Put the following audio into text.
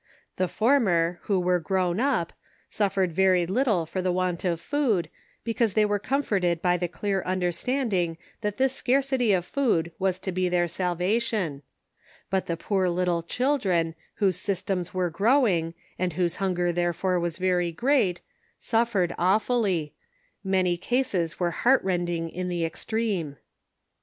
The former, who were grown up, suffered very little for the want of food, because they were comforted by the clear understanding that this scarcity of food was to be their salvation ; but the poor little children, whose systems Avere growing, and whose hunger therefore was very great, suf fered avA'f uUy ; many cases were heart rending in the ex treme.